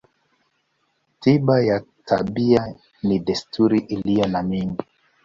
Tiba ya tabia ni desturi iliyo na mengi.